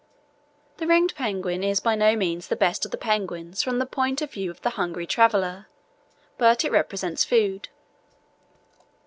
The ringed penguin is by no means the best of the penguins from the point of view of the hungry traveller, but it represents food.